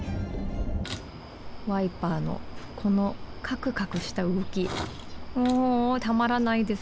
ワイパーのこのカクカクしたうごきもうたまらないです。